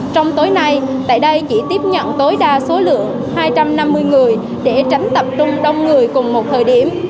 trong tối nay tại đây chỉ tiếp nhận tối đa số lượng hai trăm năm mươi người để tránh tập trung đông người cùng một thời điểm